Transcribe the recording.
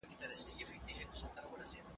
وځنډېږي، پداسي حال کي چي خپله ډاکټر عبدالله د